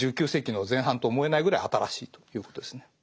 １９世紀の前半と思えないぐらい新しいということですね。